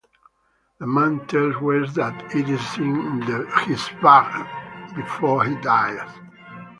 The man tells Wes that it is in his bag before he dies.